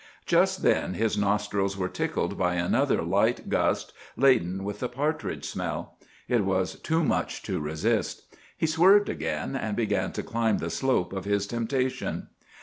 Just then his nostrils were tickled by another light gust, laden with the partridge smell. It was too much to resist. He swerved again, and began to climb the slope of his temptation.